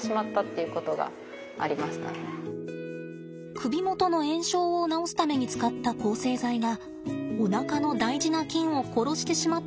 首元の炎症を治すために使った抗生剤がおなかの大事な菌を殺してしまったのが原因でした。